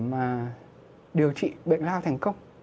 để mà điều trị bệnh lao thành công